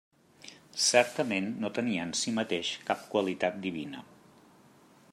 Certament no tenia en si mateix cap qualitat divina.